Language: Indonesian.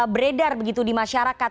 beredar begitu di masyarakat